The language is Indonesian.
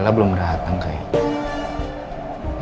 bella belum datang kayaknya